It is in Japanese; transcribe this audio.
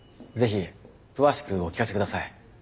ぜひ詳しくお聞かせください。